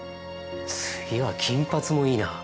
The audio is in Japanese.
次は金髪もいいなあ。